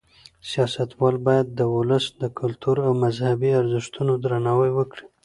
سیاستوال باید د ولس د کلتور او مذهبي ارزښتونو درناوی وکړي.